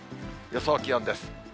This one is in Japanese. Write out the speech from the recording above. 予想気温です。